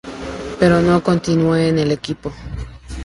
Pero no continuó en el equipo.